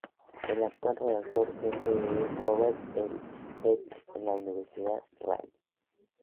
El actual redactor jefe es Robert L Patten de la Universidad Rice.